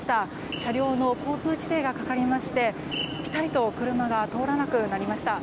車両の交通規制がかかりましてぴたりと車が通らなくなりました。